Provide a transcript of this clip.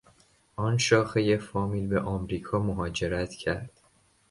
آن شاخهی فامیل به امریکا مهاجرت کرد.